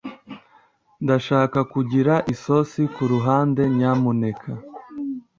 Ndashaka kugira isosi kuruhande, nyamuneka.